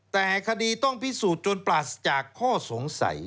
แต่คดีต้องพิสูจน์จนปราศจากข้อสงสัย